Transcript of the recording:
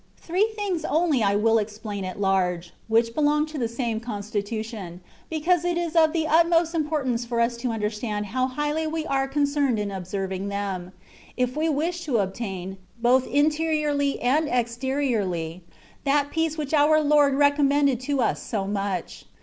Three things .only I will explain at large, which belong to the same Con stitution, because it is of the utmost importance for us to imderstand how highly we are concerned in observing them, if we wish to obtain, both interiorly and exteriorly, that peace which our Lord recommended to us so much.